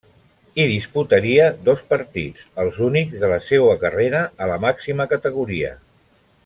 Hi disputaria dos partits, els únics de la seua carrera a la màxima categoria.